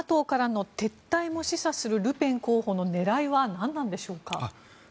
ＮＡＴＯからの撤退も示唆するルペン候補の狙いは何なんでしょうか。